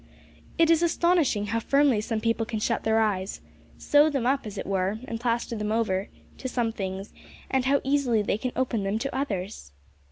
It is astonishing how firmly some people can shut their eyes sew them up, as it were, and plaster them over to some things, and how easily they can open them to others!